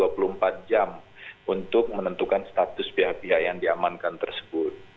jadi kita perlu dua puluh empat jam untuk menentukan status biaya biaya yang diamankan tersebut